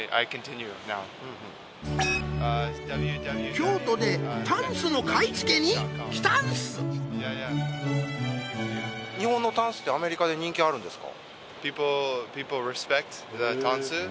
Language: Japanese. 京都でタンスの買い付けに来たんす日本のタンスってアメリカで人気あるんですか？